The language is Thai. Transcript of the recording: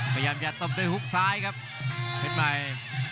ขยับยัดตบด้วยฮุกซ้ายครับเพชรใหม่